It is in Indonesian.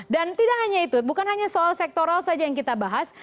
dan tidak hanya itu bukan hanya soal sektoral saja yang kita bahas